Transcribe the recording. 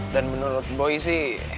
dan menurut boy sih